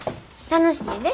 楽しいで。